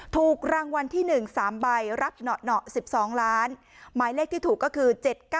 ถูกรางวัลที่หนึ่ง๓ใบรับเหนาะเหนาะ๑๒ล้านหมายเลขที่ถูกก็คือ๗๙๘๗๘๗